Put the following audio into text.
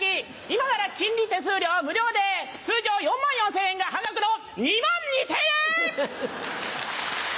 今なら金利手数料無料で通常４万４０００円が半額の２万２０００円！